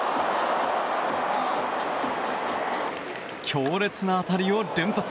強烈な当たりを連発。